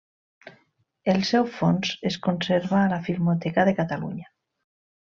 El seu fons es conserva a la Filmoteca de Catalunya.